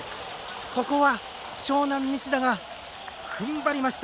ここは、樟南、西田がふんばりました。